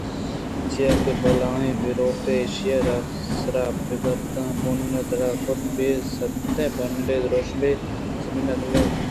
چیاکہ بلاہیں ہِیرٛوپےءَ ایشی ءَ را سرابگرداں بُن ءَ دوراڑ ءَ کُت ءُ بے سیتیں بُنڈے ءِ درٛوشم ءَ زمین ءَ دئور دات